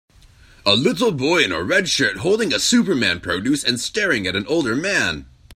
A little boy in a red shirt holding a superman produce and staring at an older man.